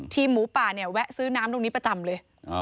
หมูป่าเนี่ยแวะซื้อน้ำตรงนี้ประจำเลย